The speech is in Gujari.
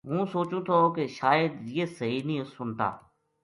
ہوں سوچوں تھو کہ شاید یہ صحیح نیہہ سُنتا